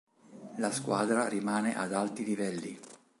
La squadra rimane ad alti livelli.